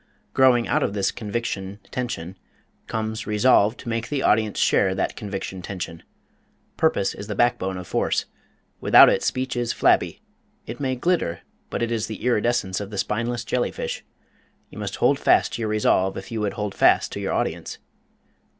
Growing out of this conviction tension comes resolve to make the audience share that conviction tension. Purpose is the backbone of force; without it speech is flabby it may glitter, but it is the iridescence of the spineless jellyfish. You must hold fast to your resolve if you would hold fast to your audience.